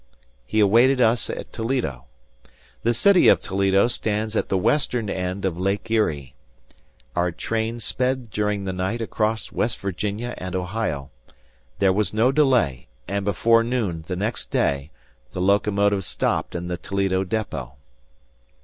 He awaited us at Toledo. The city of Toledo stands at the western end of Lake Erie. Our train sped during the night across West Virginia and Ohio. There was no delay; and before noon the next day the locomotive stopped in the Toledo depot.